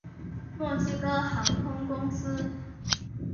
墨西哥航空公司。